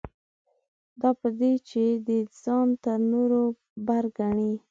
دا په دې چې دی ځان تر نورو بر ګڼي.